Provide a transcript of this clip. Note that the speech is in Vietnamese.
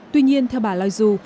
tuy nhiên theo bà loiseau